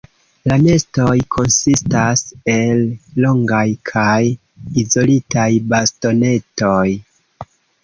La nestoj konsistas el longaj kaj izolitaj bastonetoj.